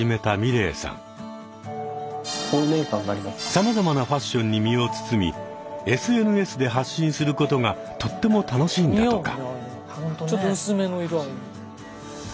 さまざまなファッションに身を包みＳＮＳで発信することがとっても楽しいんだとか。